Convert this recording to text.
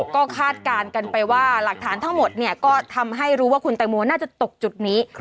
ก็คาดการณ์กันไปว่าหลักฐานทั้งหมด